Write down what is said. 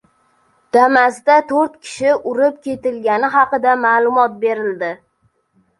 Damas"da to‘rt kishi urib ketilgani haqida ma’lumot berildi